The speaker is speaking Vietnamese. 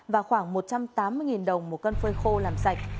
và khoảng một trăm tám mươi đồng một con phơi khô làm sạch